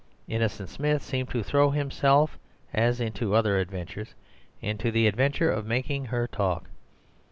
Innocent Smith seemed to throw himself, as into other adventures, into the adventure of making her talk.